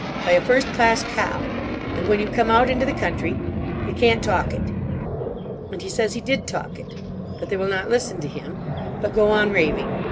By a first class cow. And when you come out into the country. You can't talk it.' And he says he did talk it. But they will not listen to him. But go on raving.